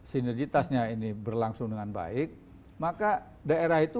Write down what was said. sinergitasnya ini berlangsung dengan baik maka daerah itu